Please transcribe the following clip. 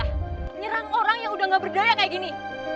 eh nyerang orang yang udah gak berdaya kayak gini